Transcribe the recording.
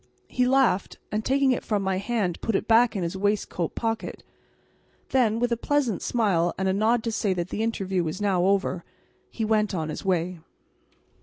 He laughed, and taking it from my hand put it back in his waistcoat pocket; then, with a pleasant smile and a nod to say that the interview was now over, he went on his way.